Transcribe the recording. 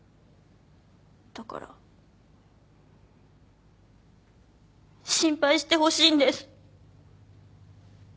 だから心配してほしいんです。